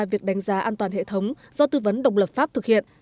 việc đánh giá an toàn hệ thống do tư vấn độc lập pháp thực hiện